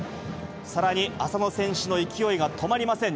さらに、浅野選手の勢いが止まりません。